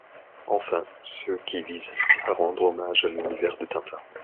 Enfin ceux qui visent à rendre hommage à l'univers de Tintin.